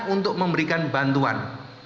untuk memberikan bantuan